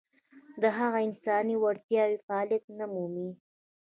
د هغه انساني وړتیاوې فعلیت نه مومي.